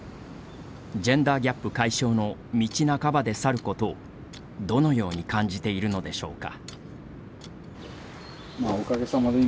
ジェンダーギャップ解消の道半ばで去ることをどのように感じているのでしょうか。